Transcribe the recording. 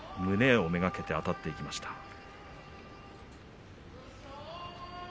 胸を目がけてあたっていきました。